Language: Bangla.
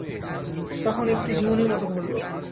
তখন একটু ঝিমুনির মতো ধরল।